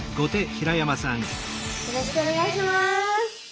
よろしくお願いします。